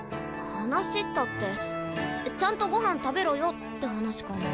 話ったってちゃんとごはん食べろよって話かな？